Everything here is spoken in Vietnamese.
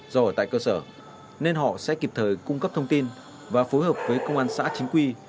do ở tại cơ sở nên họ sẽ kịp thời cung cấp thông tin và phối hợp với công an xã chính quy